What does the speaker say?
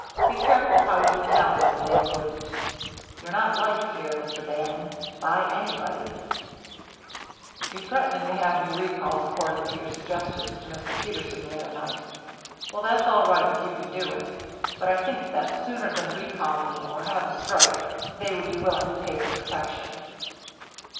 Be careful how you tell me they wouldn't. You're not liked here, Mr. Bannon, by anybody " "You're threatening to have me recalled, according to your suggestions to Mr. Peterson the other night. Well, that's all right if you can do it. But I think that sooner than recall me or have a strike they would be willing to pay for protection."